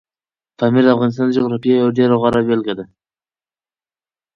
پامیر د افغانستان د جغرافیې یوه ډېره غوره بېلګه ده.